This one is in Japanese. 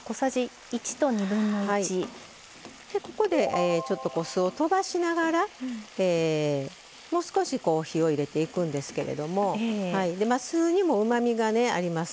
ここで酢をとばしながらもう少し火を入れていくんですけどお酢にも、うまみがあります。